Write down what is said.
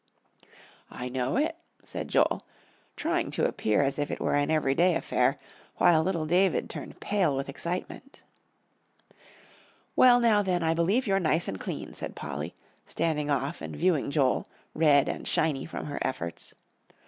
"I know it," said Joel, trying to appear as if it were an everyday affair, while little David turned pale with excitement. "Well, now then, I believe you're nice and clean," said Polly, standing off and viewing Joel, red and shiny from her efforts.